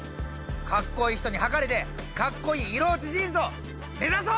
かっこいい人にはかれてかっこいい色落ちジーンズを目指そう！